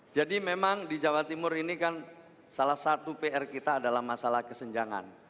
jadi memang di jawa timur ini kan salah satu pr kita adalah masalah kesenjangan